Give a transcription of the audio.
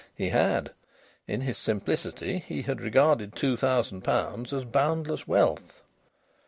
He had. In his simplicity he had regarded two thousand pounds as boundless wealth.